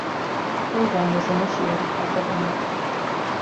The programme was initiated by govt.